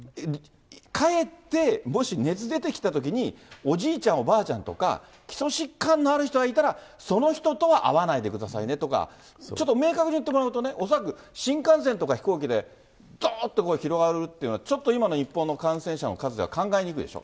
帰って、もし熱出てきたときに、おじいちゃん、おばあちゃんとか基礎疾患のある人がいたら、その人とは会わないでくださいねとか、ちょっと明確に言ってもらうとね、恐らく新幹線とか飛行機でどーっと広がるっていうのは、ちょっと今の日本の感染者の数では考えにくいでしょ。